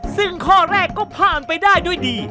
ซึ่งข้อแรกก็ผ่านไปได้ด้วยดี